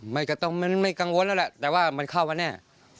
ไม่กังวลแล้วแหละแต่ว่ามันเข้ามาแน่